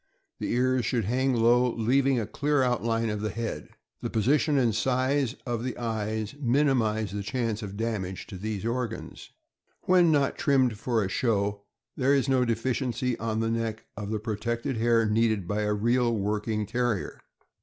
The ears should hang low, leaving a clear outline of the head. The position and size of the eyes minimize the chance of damage to those organs. When not trimmed for a show, there is no deficiency on the neck of the protected hair needed by a real working Ter rier.